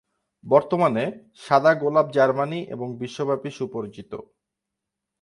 বর্তমানে, সাদা গোলাপ জার্মানি এবং বিশ্বব্যাপী সুপরিচিত।